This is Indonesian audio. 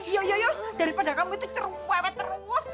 yoyoyos daripada kamu itu terwewe terungus